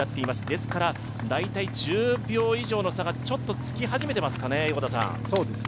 ですから１０秒以上の差がつき始めていますかね？